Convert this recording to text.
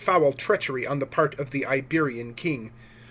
foul treachery on tlie part of the Iberian king.